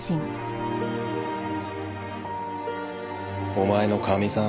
お前のカミさん